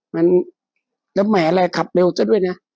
มันแล้วแหมอะไรขับเร็วซะด้วยนะ